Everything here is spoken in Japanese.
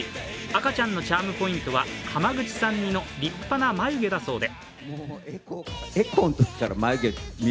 赤ちゃんのチャームポイントは濱口さん似の立派な眉毛だそうで。